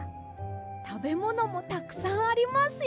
たべものもたくさんありますよ。